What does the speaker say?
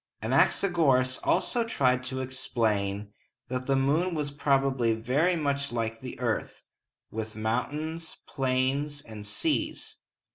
Anaxagoras also tried to explain that the moon was probably very much like the earth, with mountains, plains, and seas.